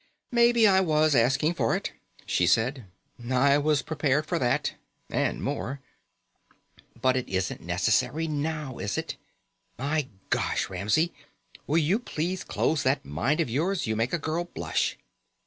"Maybe I was asking for it," she said. "I was prepared for that and more. But it isn't necessary now, is it? My gosh, Ramsey! Will you please close that mind of yours? You make a girl blush."